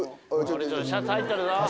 シャツ入っとるぞ。